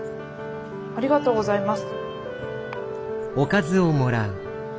ありがとうございます。